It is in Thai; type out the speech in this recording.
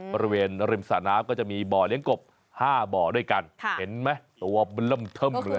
บริเวณริมสระน้ำก็จะมีบ่อเลี้ยงกบ๕บ่อด้วยกันเห็นไหมตัวมันเริ่มเทิมเลย